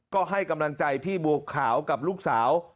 ก็ให้กำลังใจพี่บัวขาวกับลูกสาว